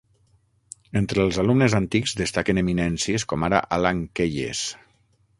Entre els alumnes antics destaquen eminències com ara Alan Keyes.